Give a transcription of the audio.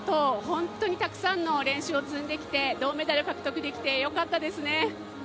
本当にたくさんの練習を積んできて銅メダル獲得できて、よかったですね。